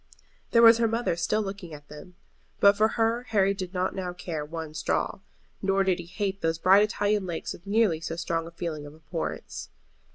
There was her mother still looking at them; but for her Harry did not now care one straw. Nor did he hate those bright Italian lakes with nearly so strong a feeling of abhorrence.